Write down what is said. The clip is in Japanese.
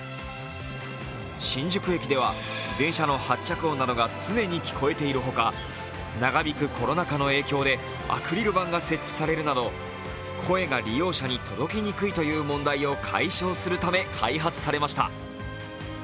新宿駅では電車の発着音などが常に聞こえているなど長引くコロナ禍の影響でアクリル板が設置されるなど声が利用者に届きにくいという問題を快勝するため開発されました。